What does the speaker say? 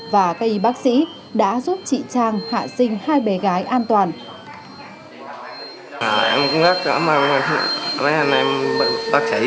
và các y bác sĩ đã giúp chị trang hạ sinh hai bé gái an toàn em cũng rất cảm ơn mấy anh em bác sĩ